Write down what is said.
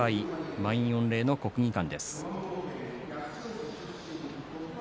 満員御礼の国技館です。